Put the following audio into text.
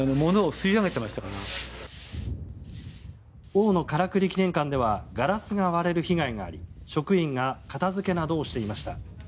大野からくり記念館ではガラスが割れる被害があり職員が片付けなどをしていました。